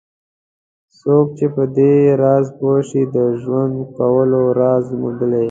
څوک چې په دې راز پوه شي د ژوند کولو راز موندلی.